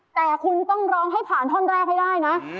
แต่คุณต้องร้องให้ผ่านท่อนแรกให้ได้นะ